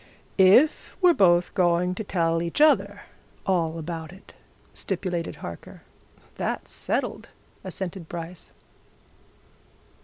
"If we're both going to tell each other all about it," stipulated Harker. "That's settled," assented Bryce.